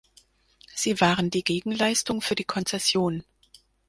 Sie waren die Gegenleistung für die Konzession.